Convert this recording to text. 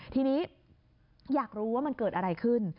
ทีนี้อยากรู้ว่ามันเกิดอะไรขึ้น